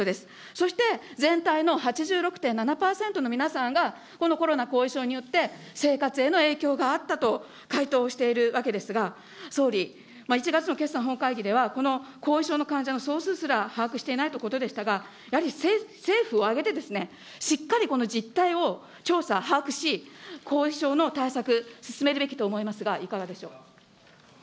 そして全体の８６．７％の皆さんがこのコロナ後遺症によって、生活への影響があったと回答しているわけですが、総理、１月の決算本会議では、この後遺症の患者の総数すら把握していないとのことでしたが、やはり政府を挙げてしっかりこの実態を調査、把握し、後遺症の対策、進めるべきと思いますが、いかがでしょう。